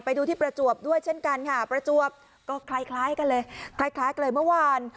ไปดูที่ประจวบด้วยเช่นกันค่ะประจวบก็คล้ายกันเลยคล้ายกันเลยเมื่อวาน